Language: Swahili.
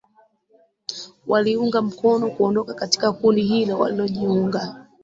waliunga mkono kuondoka katika kundi hilo walilojiunga